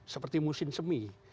seperti musim semi